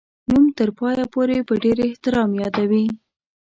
نوم تر پایه پوري په ډېر احترام یادوي.